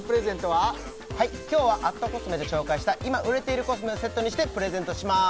はい今日は＠ｃｏｓｍｅで紹介した今売れているコスメをセットにしてプレゼントします